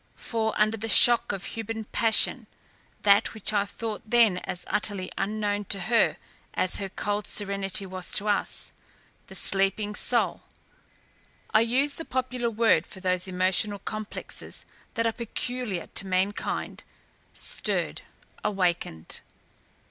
For, under the shock of human passion, that which I thought then as utterly unknown to her as her cold serenity was to us, the sleeping soul I use the popular word for those emotional complexes that are peculiar to mankind stirred, awakened.